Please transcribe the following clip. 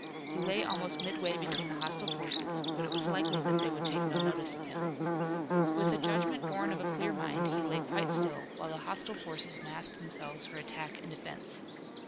He lay almost midway between the hostile forces, but it was likely that they would take no notice of him. With a judgment born of a clear mind, he lay quite still, while the hostile forces massed themselves for attack and defense.